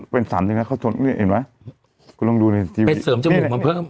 พี่เบชเสริมจมูกมาเพิ่ม